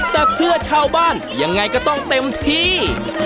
แต่เพื่อชาวบ้านยังไงก็ต้องเต็มที่